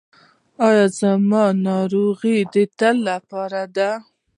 ایا زما ناروغي د تل لپاره ده؟